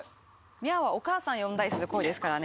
みゃーおは、お母さん呼んだりする声ですからね。